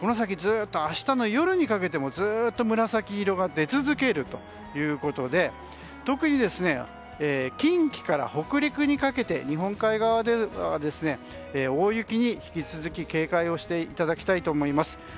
明日の夜にかけてもずっと紫色が出続けるということで特に近畿から北陸にかけて日本海側では大雪に引き続き警戒をしていただきたいと思います。